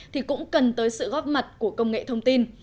thì cũng cần tới sự góp mặt của công nghệ thông tin